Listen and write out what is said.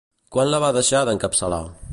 Quan la va deixar d'encapçalar?